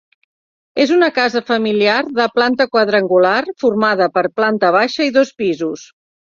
És una casa familiar de planta quadrangular formada per planta baixa i dos pisos.